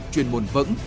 chuyên môn vững